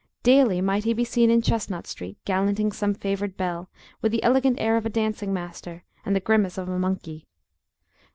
Daily might he be seen in Chestnut street, gallanting some favoured belle, with the elegant air of a dancing master, and the grimace of a monkey.